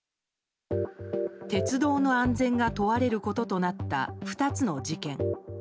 鉄道の安全が問われることとなった２つの事件。